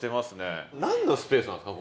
何のスペースなんですか？